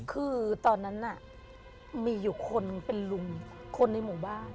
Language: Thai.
คือตอนนั้นน่ะมีอยู่คนเป็นลุงคนในหมู่บ้าน